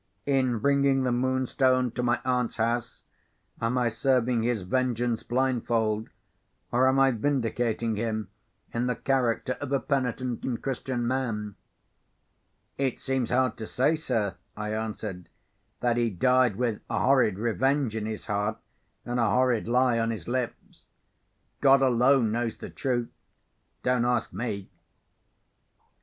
In bringing the Moonstone to my aunt's house, am I serving his vengeance blindfold, or am I vindicating him in the character of a penitent and Christian man?" "It seems hard to say, sir," I answered, "that he died with a horrid revenge in his heart, and a horrid lie on his lips. God alone knows the truth. Don't ask me."